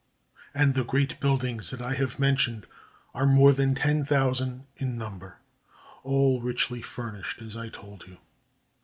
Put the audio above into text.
And the great buildings that I have mentioned are more than ten thousand in number, all richly furnished, as I told you.